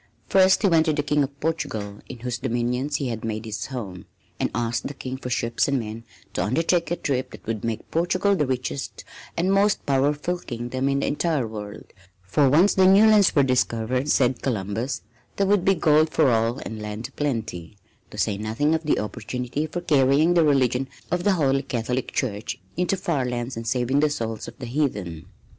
First he went to the King of Portugal in whose dominions he had made his home, and asked the King for ships and men to undertake a trip that would make Portugal the richest and most powerful kingdom in the entire world, for once the new lands were discovered, said Columbus, there would be gold for all and land a plenty, to say nothing of the opportunity for carrying the religion of the Holy Catholic Church into far lands and saving the souls of the heathen.